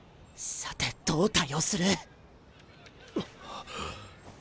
さてどう対応する？